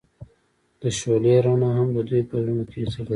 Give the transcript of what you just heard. د شعله رڼا هم د دوی په زړونو کې ځلېده.